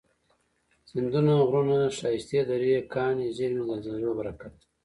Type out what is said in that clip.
سیندونه، غرونه، ښایستې درې، کاني زیرمي، د زلزلو برکت دی